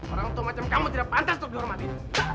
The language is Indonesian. orang tua macam kamu tidak pantas untuk dihormati